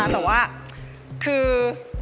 แต่ว่าคือ